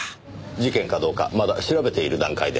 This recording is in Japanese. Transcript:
事件かどうかまだ調べている段階です。